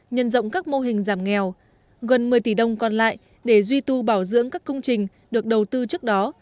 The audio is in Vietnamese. nhân rộng các mô hình giảm nghèo gần một mươi tỷ đồng còn lại để duy tu bảo dưỡng các công trình được đầu tư trước đó